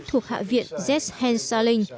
thuộc hạ viện zed hansaling